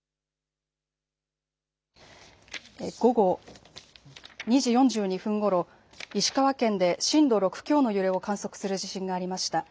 午後２時４２分ごろ石川県で震度６強の揺れを観測する地震がありました。